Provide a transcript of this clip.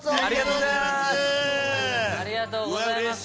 ありがとうございます！